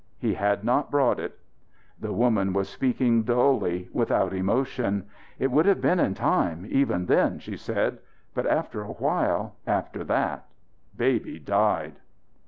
He had not brought it." The woman was speaking dully, without emotion. "It would have been in time, even then," she said. "But after a while, after that, baby died."